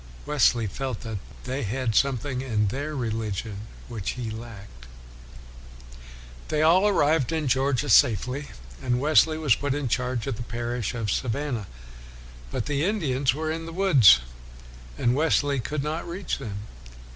Wesley felt that they had something in their religion which he lacked. They all arrived in Georgia safely, and Wesley was put in charge of the parish of Savannah. But the Indians were in the woods, and Wesley could not reach them.